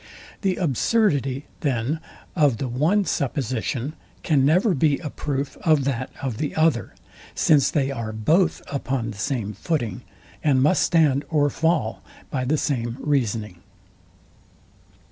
The absurdity, then, of the one supposition can never be a proof of that of the other; since they are both upon the same footing, and must stand or fall by the same reasoning.